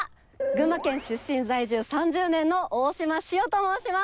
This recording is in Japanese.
群馬県出身在住３０年の大島紫央と申します。